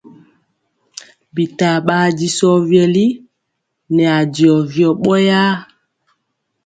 Bitaa ɓaa disɔ vyɛli nɛ ajɔ vyɔ ɓɔyaa.